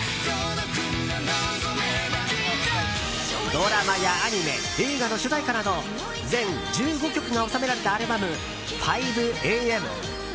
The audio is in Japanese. ドラマやアニメ映画の主題歌など全１５曲が収められたアルバム「５ａｍ」。